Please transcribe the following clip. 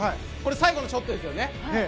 これ最後のショットですよね。